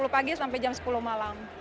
sepuluh pagi sampai jam sepuluh malam